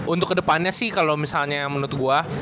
untuk kedepannya sih kalau misalnya menurut gue